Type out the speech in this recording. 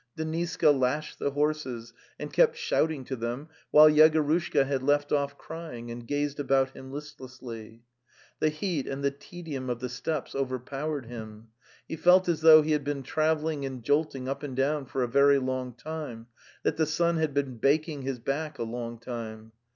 Deniska lashed the horses and kept shouting to them, while Yegorushka had left off crying, and gazed about him listlessly. The heat and the te dium of the steppes overpowered him. He felt as though he had been travelling and jolting up and down for a very long time, that the sun had been baking his back a long time.